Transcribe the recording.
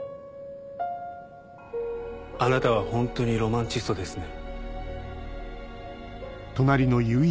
あなたはホントにロマンチストですね。